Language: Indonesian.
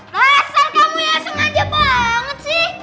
masa kamu ya sengaja banget sih